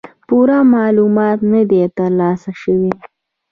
پوره معلومات نۀ دي تر لاسه شوي